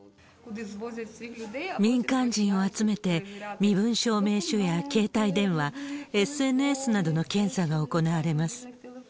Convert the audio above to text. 民間人を集めて、身分証明書や携帯電話、ＳＮＳなどの検査が行われます。